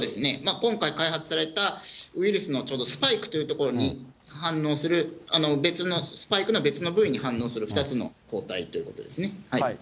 今回開発されたウイルスのちょっとスパイクというところに反応する、別の、スパイクの別の部位に反応する２つの抗体ということですね。